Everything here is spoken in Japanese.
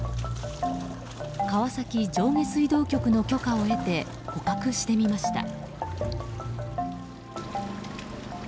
川崎上下水道局の許可を得て捕獲してみました。